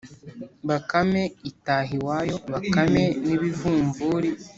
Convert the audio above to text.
bakame itaha iwayo. bakame n’ibivumvuri